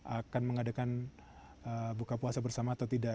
akan mengadakan buka puasa bersama atau tidak